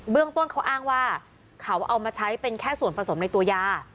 เรื่องต้นเขาอ้างว่าเขาเอามาใช้เป็นแค่ส่วนผสมในตัวยา